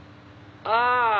「ああ。